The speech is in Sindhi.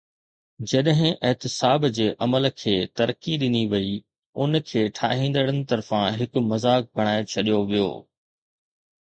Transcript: جڏهن احتساب جي عمل کي ترقي ڏني وئي، ان کي ٺاهيندڙن طرفان هڪ مذاق بڻائي ڇڏيو ويو.